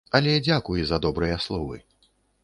Але дзякуй за добрыя словы!